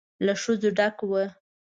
له ښځو ډک ول.